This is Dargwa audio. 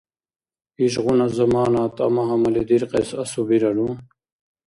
Ишгъуна замана тӀама-гьамали диркьес асубирару?